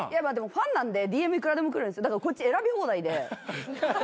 ファンなんでＤＭいくらでも来るんですだからこっち選び放題で。